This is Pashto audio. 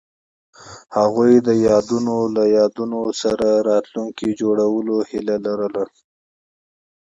هغوی د یادونه له یادونو سره راتلونکی جوړولو هیله لرله.